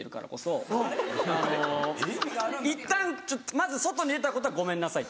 いったんまず外に出たことはごめんなさい。